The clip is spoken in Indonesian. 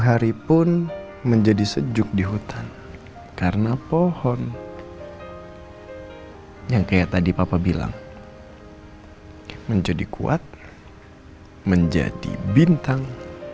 hari pun menjadi sejuk di hutan karena pohon yang kayak tadi papa bilang menjadi kuat menjadi bintang